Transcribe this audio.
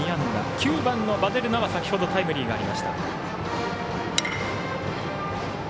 ９番のヴァデルナは先ほどタイムリーがありました。